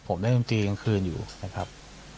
ผมเล่นดนตรีกลางคืนอยู่นะครับ